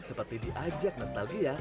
seperti diajak nostalgia